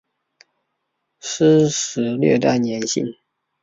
湿时略带黏性。